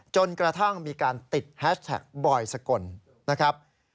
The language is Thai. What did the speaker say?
จนกระทั่งมีการติดแฮชแท็กบอยสกลนะครับ